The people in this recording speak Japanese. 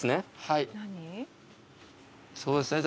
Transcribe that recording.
そうですね。